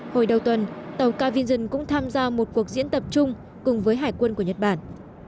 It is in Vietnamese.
hồi đầu tuần tàu kaving cũng tham gia một cuộc diễn tập chung cùng với hải quân của nhật bản